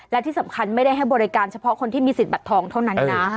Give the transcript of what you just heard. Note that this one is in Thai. และที่สำคัญไม่ได้ให้บริการเฉพาะคนที่มีสิทธิบัตรทองเท่านั้นนะ